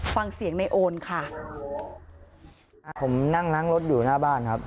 ฟังเสียงในโอนค่ะอ่าผมนั่งล้างรถอยู่หน้าบ้านครับ